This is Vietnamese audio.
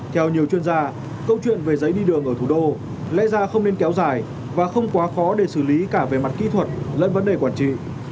theo nhiều chuyên gia câu chuyện về giấy đi đường ở thủ đô lẽ ra không nên kéo dài và không quá khó để xử lý cả về mặt kỹ thuật lẫn vấn đề quản trị